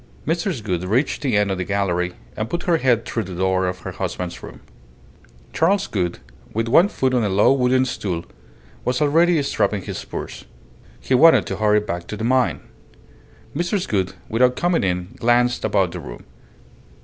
Mrs. Gould reached the end of the gallery and put her head through the door of her husband's room. Charles Gould, with one foot on a low wooden stool, was already strapping his spurs. He wanted to hurry back to the mine. Mrs. Gould, without coming in, glanced about the room.